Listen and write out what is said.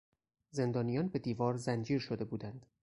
زندانیان به دیوار زنجیر شده بودند.